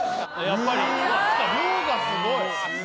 やっぱり！うわ量がすごい！